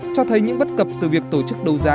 cho thấy những bất cập từ việc tổ chức đấu giá